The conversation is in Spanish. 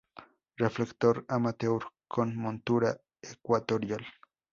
Reflector amateur con montura ecuatorial.